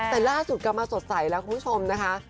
แต่ล่าสุดกลับมาสดใสแล้วคุณผู้ชมนะคะ